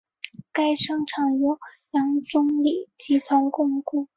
该商场由杨忠礼集团共构。